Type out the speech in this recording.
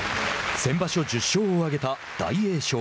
先場所１０勝を挙げた大栄翔。